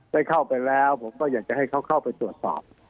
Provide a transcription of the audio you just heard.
ได้เข้าไปแล้วผมก็อยากจะให้เขาเข้าไปตรวจสอบ